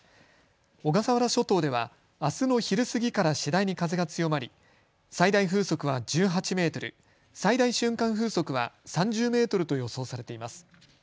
小笠原諸島ではあすの昼過ぎから次第に風が強まり最大風速は１８メートル、最大瞬間風速は３０メートルと予想されています。